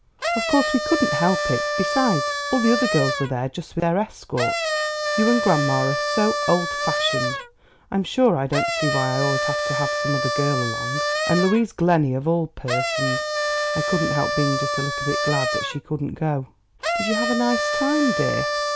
"Of course we couldn't help it; besides, all the other girls were there just with their escorts. You and grandma are so old fashioned. I'm sure I don't see why I always have to have some other girl along and Louise Glenny of all persons! I couldn't help being just a little bit glad that she couldn't go." "Did you have a nice time, dear?"